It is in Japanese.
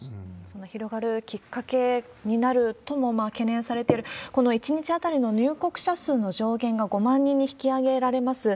その広がるきっかけになるとも懸念されている、この１日当たりの入国者数の上限が５万人に引き上げられます。